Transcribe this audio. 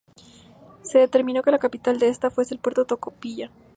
Se determinó que la capital de esta fuese el puerto de Tocopilla.